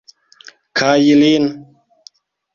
Kaj lin.